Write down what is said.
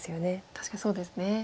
確かにそうですね。